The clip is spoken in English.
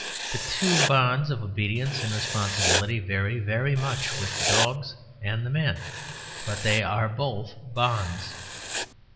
The two bonds of obedience and responsibility vary very much with the dogs and the men; but they are both bonds.